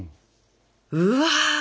うわ！